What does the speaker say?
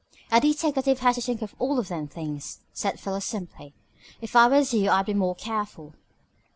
"A deteckative has to think of all them things," said Philo simply. "If I was you I'd be more careful."